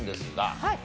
はい。